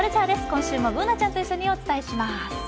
今週もＢｏｏｎａちゃんと一緒にお伝えします。